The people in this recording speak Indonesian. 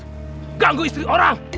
kamu ganggu istri orang